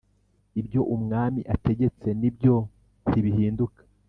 ibyo umwami ategetse nibyo ntibihinduka